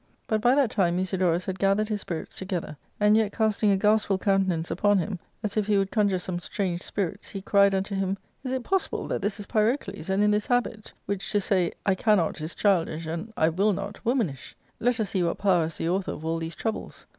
But by that time Musidorus had gathered his spirits to* . gether, and, yet casting a gastful countenance upon him, / as if he would conjure some strange spirits, he cried unto ^ him, r Is it possible that this is Pyrocles, and in this habit, ^'. which to say * I cannot ' is childish, and * I will not * wo manish ? Let us see what power is the author of all these 'i troubles.